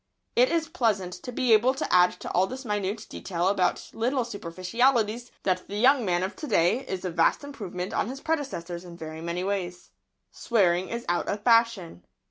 It is pleasant to be able to add to all this minute detail about little superficialities that the young man of to day is a vast improvement on his predecessors in very many ways. Swearing is out of fashion.